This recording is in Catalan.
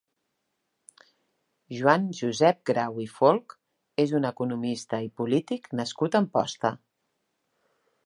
Joan Josep Grau i Folch és un economista i polític nascut a Amposta.